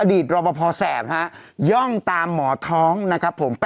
อดีตรอบป่าพอแสบย่องตามหมอท้องนะครับผม